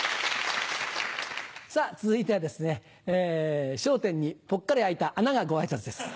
続いてはですね『笑点』にぽっかり開いた穴がご挨拶です。